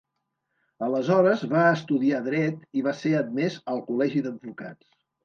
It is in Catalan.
Aleshores, va estudiar dret i va ser admès al col·legi d'advocats.